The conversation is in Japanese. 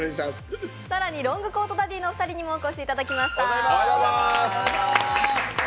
更にロングコートダディのお二人にもお越しいただきました。